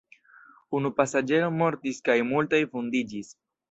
Unu pasaĝero mortis kaj multaj vundiĝis.